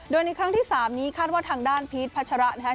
โดยในครั้งที่๓นี้คาดว่าทางด้านพีชพัชระนะครับ